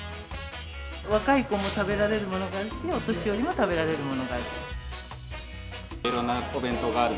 若い子も食べられるものがあるし、お年寄りも食べられるものがある。